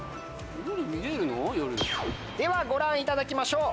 ではご覧いただきましょう。